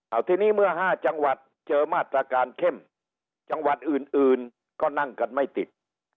เอาทีนี้เมื่อ๕จังหวัดเจอมาตรการเข้มจังหวัดอื่นอื่นก็นั่งกันไม่ติด